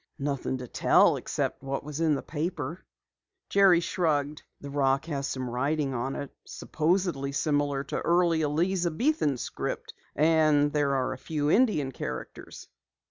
"Nothing to tell except what was in the paper," Jerry shrugged. "The rock has some writing on it, supposedly similar to early Elizabethan script. And there are a few Indian characters."